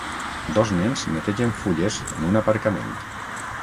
Dos nens netegen fulles en un aparcament